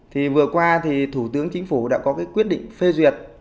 thì vừa qua thì thủ tướng chính phủ đã có cái quyết định phê duyệt